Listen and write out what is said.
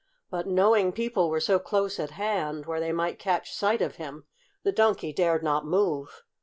But knowing people were so close at hand, where they might catch sight of him, the Donkey dared not move.